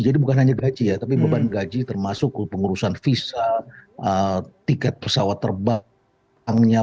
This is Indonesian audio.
jadi bukan hanya gaji ya tapi beban gaji termasuk pengurusan visa tiket pesawat terbang